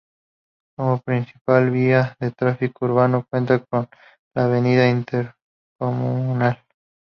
Como principal vía de tráfico urbano cuenta con la Avenida Intercomunal.